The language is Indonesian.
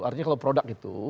artinya kalau produk itu